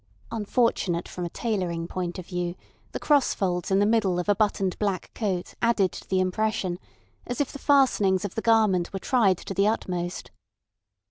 Unfortunate from a tailoring point of view, the cross folds in the middle of a buttoned black coat added to the impression, as if the fastenings of the garment were tried to the utmost.